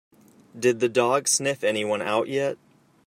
Did the dog sniff anyone out yet?